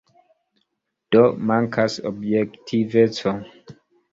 Do, mankas objektiveco.